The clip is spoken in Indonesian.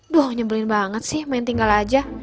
duh nyebelin banget sih main tinggal aja